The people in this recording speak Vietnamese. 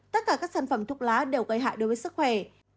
tất cả các sản phẩm thuốc lá đều gây hại đối với sức khỏe